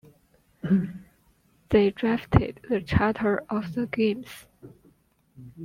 They drafted the Charter of the Games.